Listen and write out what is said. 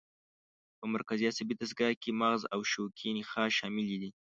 په مرکزي عصبي دستګاه کې مغز او شوکي نخاع شامل دي.